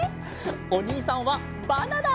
おにいさんはバナナ！